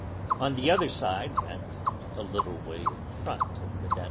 On the other side (and a little way in front) of Mme.